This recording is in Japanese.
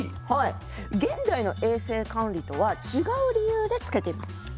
現代の衛生管理とは違う理由でつけてます。